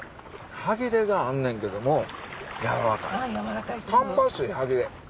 歯切れがあんねんけども柔らかい芳しい歯切れ。